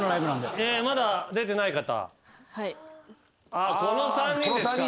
まだ出てない方。